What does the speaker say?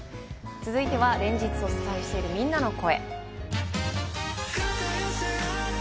続いては連日お伝えしているみんなの声。